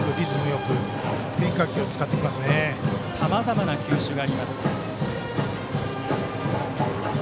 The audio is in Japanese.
さまざまな球種があります。